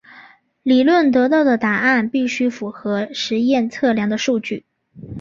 理论得到的答案必须符合实验测量的数据。